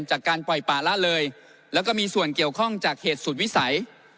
จากการปล่อยป่าละเลยแล้วก็มีส่วนเกี่ยวข้องจากเหตุสุดวิสัย